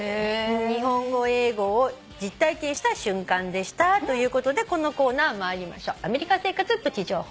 「日本語英語を実体験した瞬間でした」ということでこのコーナー参りましょう。